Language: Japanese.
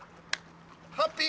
ハッピー！